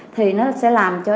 thì nó sẽ làm cho